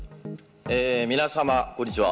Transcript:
皆様こんにちは。